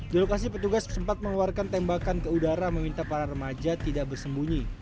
di lokasi petugas sempat mengeluarkan tembakan ke udara meminta para remaja tidak bersembunyi